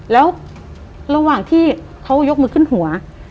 ข้าก็ยกมือขึ้นหัว